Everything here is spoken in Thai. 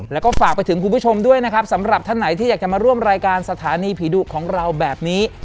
แล้วก็ฝากไปถึงคุณผู้ชมด้วยนะครับสำหรับท่านไหนที่อยากจะมาร่วมรายการสถานีผีดุของเราแบบนี้